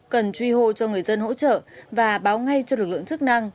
cần truy hô cho người dân hỗ trợ và báo ngay cho lực lượng chức năng